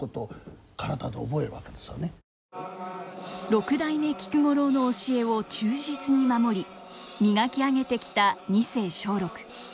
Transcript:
六代目菊五郎の教えを忠実に守り磨き上げてきた二世松緑。